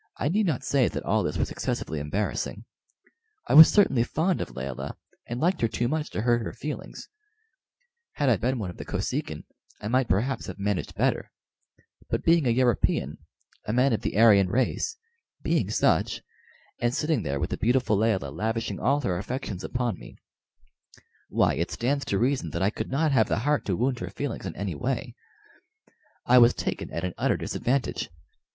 I need not say that all this was excessively embarrassing I was certainly fond of Layelah, and liked her too much to hurt her feelings. Had I been one of the Kosekin I might perhaps have managed better; but being a European, a man of the Aryan race being such, and sitting there with the beautiful Layelah lavishing all her affections upon me why, it stands to reason that I could not have the heart to wound her feelings in any way. I was taken at an utter disadvantage.